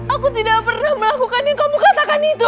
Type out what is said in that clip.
aku tidak pernah melakukan yang kamu katakan itu